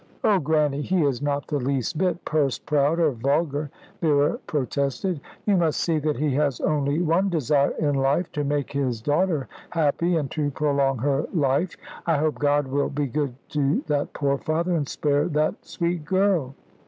"Oh, Grannie, he is not the least bit purse proud or vulgar," Vera protested. "You must see that he has only one desire in life, to make his daughter happy, and to prolong her life. I hope God will be good to that poor father, and spare that sweet girl."